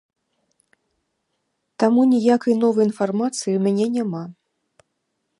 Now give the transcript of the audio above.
Таму ніякай новай інфармацыі ў мяне няма.